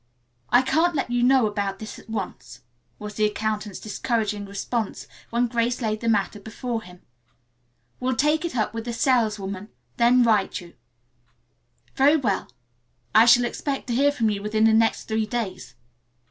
"I can't let you know about this at once," was the accountant's discouraging response when Grace laid the matter before him. "We'll take it up with the saleswoman, then write you." "Very well. I shall expect to hear from you within the next three days."